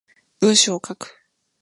文章を書く